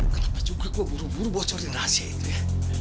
kenapa juga gue buru buru bawa sorin rahasia itu ya